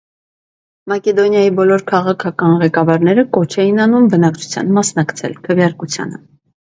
Մակեդոնիայի բոլոր քաղաքական ղեկավարները կոչ էին անում բնակչության մասնակցել քվեարկությանը։